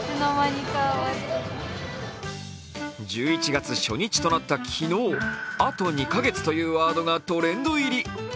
１１月初日となった昨日「あと２か月」というワードがトレンド入り。